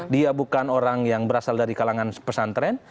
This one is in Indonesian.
dia bukan orang yang berasal dari kalangan pesantren